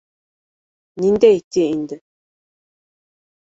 Ниндәй ти инде?..